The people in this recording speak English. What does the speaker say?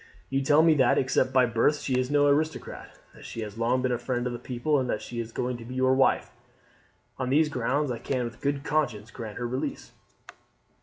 You tell me that, except by birth, she is no aristocrat; that she has long been a friend of the people, and that she is going to be your wife; on these grounds I can with a good conscience grant her release."